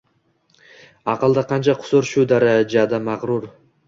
Aqlda qancha qusur shu darajada magʻrur